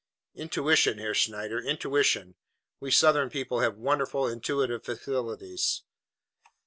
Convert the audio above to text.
"Intuition, Herr Schneider! Intuition! We Southern people have wonderful intuitive faculties."